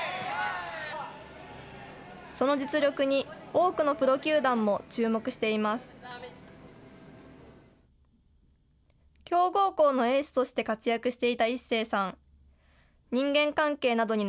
その実力に、多くのプロ球団も注目しています。